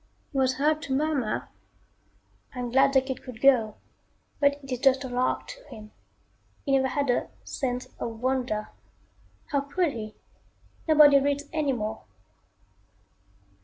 He was heard to murmur, "I am glad the kid could go, but it is just a lark to him. He never had a 'sense of wonder.' How could he nobody reads anymore."